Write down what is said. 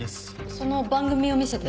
その番組を見せて。